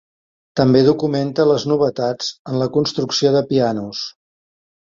També documenta les novetats en la construcció de pianos.